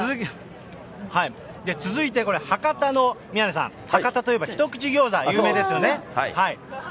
続いてこれ、博多の宮根さん、博多といえばひとくち餃子、有名ですよね。